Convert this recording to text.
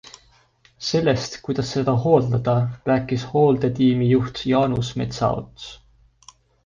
Sellest, kuidas seda hooldada, rääkis hooldetiimi juht Jaanus Metsaots.